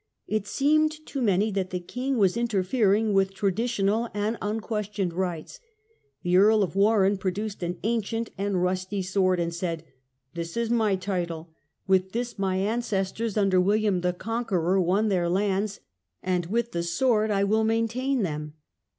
It seemed to many that the king was interfering with traditional and unquestioned rights. The Earl of Warenne produced an ancient and rusty sword and said, " This is my title. With this my ances tors under William the Conqueror won their lands, and with the sword I will maintain them."